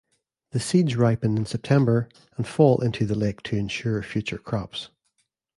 The seeds ripen in September and fall into the lake to ensure future crops.